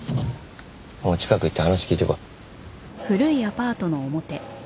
お前近く行って話聞いてこい。